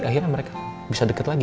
akhirnya mereka bisa dekat lagi